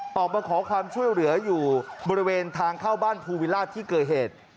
ออกมาขอความช่วยเหลืออยู่บริเวณทางเข้าบ้านภูวิราชที่เกิดเหตุ